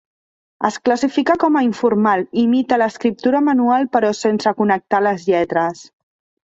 Es classifica com a informal, imita l'escriptura manual però sense connectar les lletres.